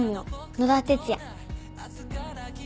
野田哲也。